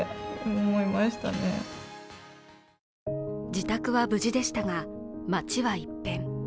自宅は無事でしたが、町は一変。